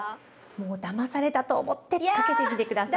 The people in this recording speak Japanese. もうだまされたと思ってかけてみて下さい。